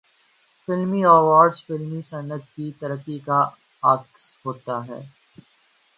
فلمی ایوارڈز فلمی صنعت کی ترقی کا عکاس ہوتے ہیں۔